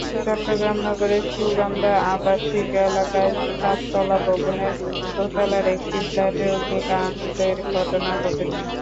চট্টগ্রাম নগরের সুগন্ধা আবাসিক এলাকায় সাততলা ভবনের দোতলার একটি ফ্ল্যাটে অগ্নিকাণ্ডের ঘটনা ঘটেছে।